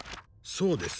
そうです。